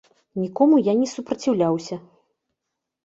Нікому я не супраціўляўся.